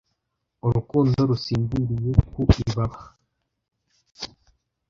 urukundo rusinziriye ku ibaba